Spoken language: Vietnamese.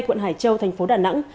quận hải châu thành phố đà nẵng